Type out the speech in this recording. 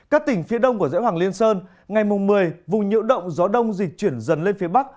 các tỉnh phía đông của dễ hoàng liên sơn ngày mùng một mươi vùng nhiễu động gió đông dịch chuyển dần lên phía bắc